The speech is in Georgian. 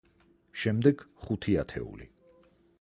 შემდეგ, ხუთი ათეული.